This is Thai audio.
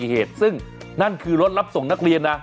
เหตุซึ่งนั่นคือรถรับส่งนักเรียนนะ